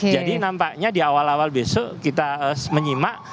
jadi nampaknya di awal awal besok kita menyimak